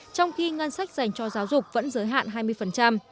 trong khi ngân sách dành cho giáo dục vẫn giới hạn hai mươi